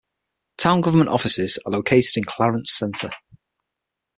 Town government offices are located in Clarence Center.